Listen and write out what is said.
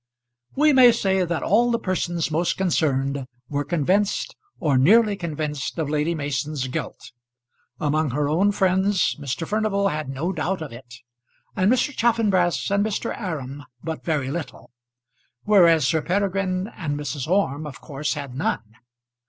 We may say that all the persons most concerned were convinced, or nearly convinced, of Lady Mason's guilt. Among her own friends Mr. Furnival had no doubt of it, and Mr. Chaffanbrass and Mr. Aram but very little; whereas Sir Peregrine and Mrs. Orme of course had none.